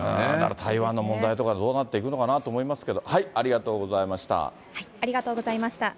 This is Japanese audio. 台湾の問題とか、どうなっていくのかなと思いますけど、はい、ありがとうございまありがとうございました。